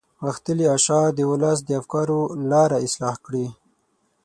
غښتلي اشعار د ولس د افکارو لاره اصلاح کړي.